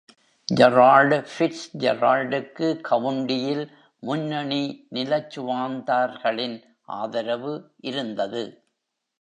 Gerald ஃபிட்ஸ்ஜெரால்டுக்கு கவுன்டியில் முன்னணி நிலச்சுவாந்தார்களின் ஆதரவு இருந்தது.